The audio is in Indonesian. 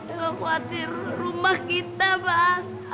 ella khawatir rumah kita bang